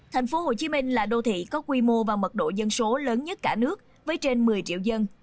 tp hcm là đô thị có quy mô và mật độ dân số lớn nhất cả nước với trên một mươi triệu dân